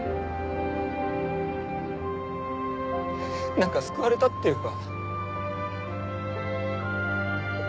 何か救われたっていうか。